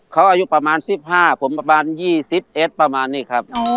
เขาอายุประมาณสิบห้าผมประมาณยี่สิบเอ็ดประมาณนี่ครับ